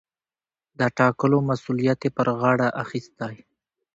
د ټاکلو مسووليت يې پر غاړه اخىستى.